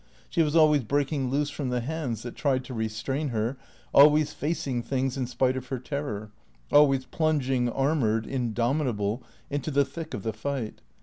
She was always breaking loose from the hands that tried to restrain her, always facing things in spite of her terror, always plunging, armoured, in domitable, into the thick of the fight.